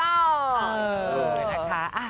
เอามันค่ะ